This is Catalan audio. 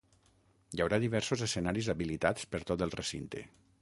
Hi haurà diversos escenaris habilitats per tot el recinte.